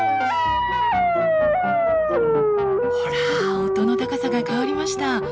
ほら音の高さが変わりました。